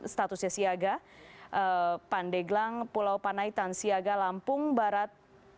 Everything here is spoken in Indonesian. statusnya siaga pandeglang pulau panaitan siaga lampung barat